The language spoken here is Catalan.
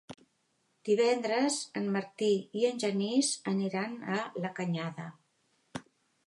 Divendres en Martí i en Genís aniran a la Canyada.